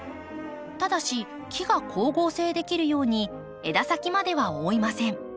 ただし木が光合成できるように枝先までは覆いません。